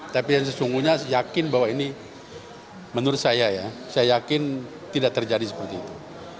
tapi yang sesungguhnya yakin bahwa ini menurut saya ya saya yakin tidak terjadi seperti itu